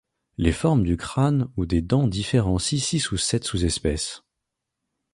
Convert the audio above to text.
Les formes du crâne ou des dents différencient six ou sept sous-espèces.